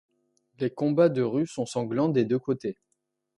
Les combats de rue sont sanglants des deux côtés.